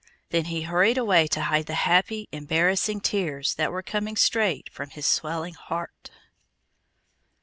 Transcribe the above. Then he hurried away to hide the happy, embarrassing tears that were coming straight from his swelling heart.